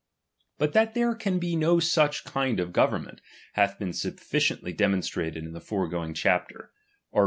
But that there can be no such kind of go vernment,* hath been sufficiently demonstrated in the foregoing chapter, art.